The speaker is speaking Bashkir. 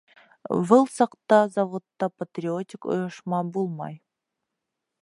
Выл саҡта заводта патриотик ойошма булмай.